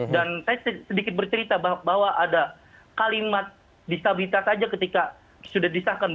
dan saya sedikit bercerita bahwa ada kalimat disabilitas saja ketika sudah disahkan